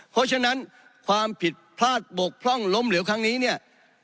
เพราะฉะนั้นความผิดพลาดบกพร่องล้มเหลวครั้งนี้เนี่ย